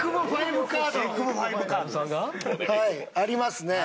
はいありますね。